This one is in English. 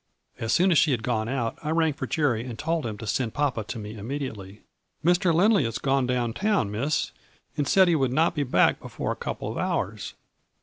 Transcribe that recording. As soon as she had gone out I rang for Jerry and told him to send papa to me immediately. "' Mr. Lindley has gone down town, Miss, and said he would not be back before a couple of hours.